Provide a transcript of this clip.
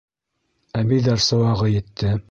Әбейҙәр сыуағы етте